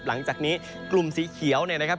หลังจากนี้กลุ่มสีเขียวเนี่ยนะครับ